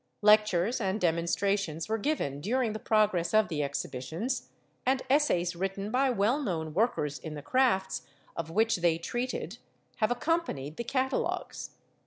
Lectures and demonstrations were given during the progress of the Exhibitions, and essays written by well known workers in the crafts of which they treated have accompanied the catalogues.